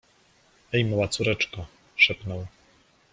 — Ej, mała córeczko! — szepnął.